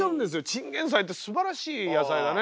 チンゲンサイってすばらしい野菜だね。